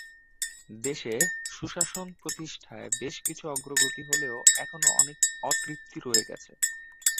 দেশে সুশাসন প্রতিষ্ঠায় বেশ কিছু অগ্রগতি হলেও এখনো অনেক অতৃপ্তি রয়ে গেছে।